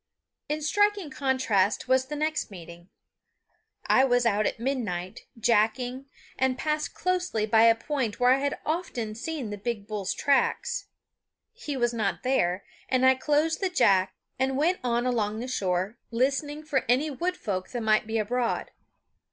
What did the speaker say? In striking contrast was the next meeting. I was out at midnight, jacking, and passed close by a point where I had often seen the big bull's tracks. He was not there, and I closed the jack and went on along the shore, listening for any wood folk that might be abroad.